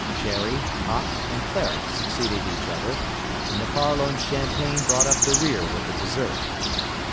Sherry, hock, and claret succeeded each other, and the Farallone champagne brought up the rear with the dessert.